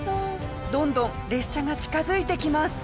どんどん列車が近づいてきます。